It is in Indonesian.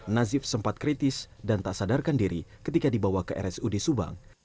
nazif sempat kritis dan tak sadarkan diri ketika dibawa ke rsud subang